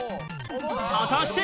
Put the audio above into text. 果たして！？